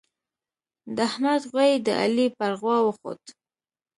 د احمد غويی د علي پر غوا وخوت.